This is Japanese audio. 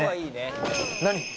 何！？